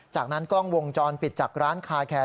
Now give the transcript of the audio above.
จากนั้นกล้องวงจรปิดจากร้านคาแคร์